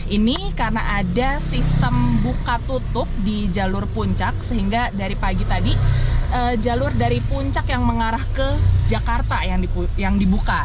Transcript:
ini karena ada sistem buka tutup di jalur puncak sehingga dari pagi tadi jalur dari puncak yang mengarah ke jakarta yang dibuka